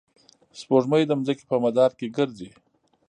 سپوږمۍ د ځمکې په مدار کې ګرځي.